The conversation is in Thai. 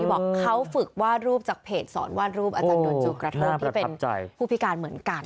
บอกเขาฝึกวาดรูปจากเพจสอนวาดรูปอาจารย์ด่วนจูกระโทกที่เป็นผู้พิการเหมือนกัน